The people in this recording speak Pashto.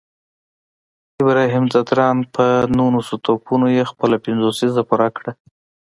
ابراهیم ځدراڼ په نولس توپونو یې خپله پنځوسیزه پوره کړه